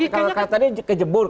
kalau katanya kejebur